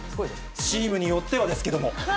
チームによってはですけども。